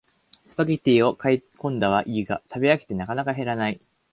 スパゲティを買いこんだはいいが食べ飽きてなかなか減らない